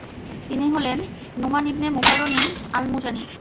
তিনি হলেন নুমান ইবনে মুকাররিন আল্ মুযানী।